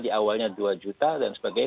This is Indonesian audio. di awalnya dua juta dan sebagainya